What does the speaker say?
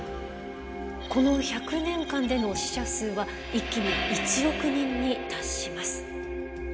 この１００年間での死者数は一気に１億人に達します。